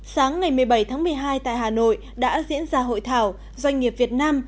sáng ngày một mươi bảy tháng một mươi hai tại hà nội đã diễn ra hội thảo doanh nghiệp việt nam